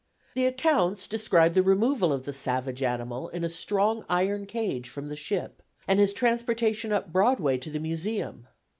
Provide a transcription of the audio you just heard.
The accounts described the removal of the savage animal in a strong iron cage from the ship, and his transportation up Broadway to the museum.